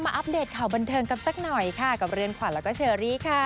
อัปเดตข่าวบันเทิงกันสักหน่อยค่ะกับเรือนขวัญแล้วก็เชอรี่ค่ะ